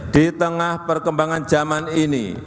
di tengah perkembangan zaman ini